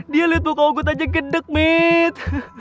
dia liat pokok ogut aja gedeg med